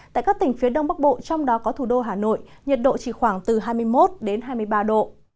tại các tỉnh phía đông bắc bộ trong đó có thủ đô hà nội nhiệt độ chỉ khoảng từ hai mươi một đến hai mươi ba độ